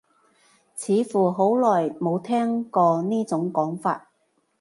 似乎好耐冇聽過呢種講法